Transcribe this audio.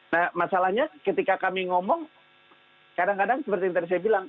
nah masalahnya ketika kami ngomong kadang kadang seperti yang tadi saya bilang